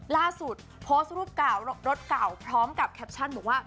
ล่าสุดโพสต์รูปเก่ารถเก่าพร้อมกับแคปชั่นบอกว่า